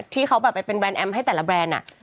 ที่เขาเป็นแบรนด์แอมป์ให้แต่ละแบรนด์